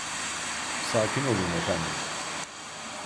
Sakin olun efendim.